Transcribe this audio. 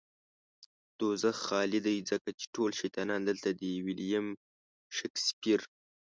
دوزخ خالی دی ځکه چې ټول شيطانان دلته دي. ويلييم شکسپير